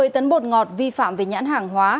một mươi tấn bột ngọt vi phạm về nhãn hàng hóa